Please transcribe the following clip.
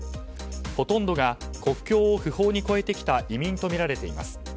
ほとんどが国境を不法に越えてきた移民とみられています。